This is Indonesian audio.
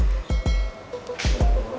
putri kemana ya